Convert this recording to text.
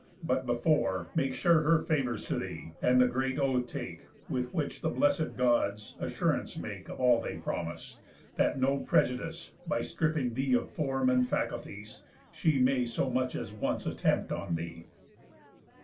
But before, make sure Her favours to thee; and the great oath take With which the blesséd Gods assurance make Of all they promise; that no prejudice (By stripping thee of form, and faculties) She may so much as once attempt on thee.